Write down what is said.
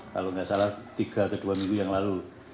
kalau nggak salah tiga atau dua minggu yang lalu